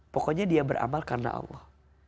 pokoknya dia beramal karena allah